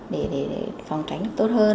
để phòng tránh tốt hơn